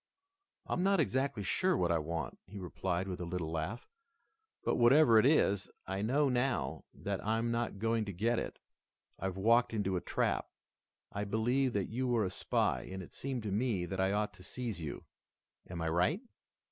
"I'm not exactly sure what I want," he replied with a little laugh, "but whatever it is, I know now that I'm not going to get it. I've walked into a trap. I believed that you were a spy, and it seemed to me that I ought to seize you. Am I right?"